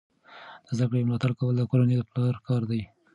د زده کړې ملاتړ کول د کورنۍ د پلار کار دی.